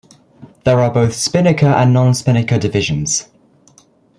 There are both Spinnaker and Non-Spinnaker Divisions.